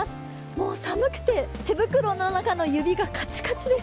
もう寒くて、手袋の中の指がカチカチです。